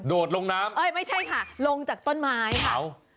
ลงน้ำเอ้ยไม่ใช่ค่ะลงจากต้นไม้ค่ะ